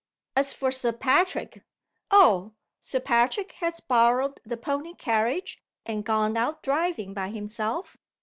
As for Sir Patrick Oh! Sir Patrick has borrowed the pony carriage? and gone out driving by himself?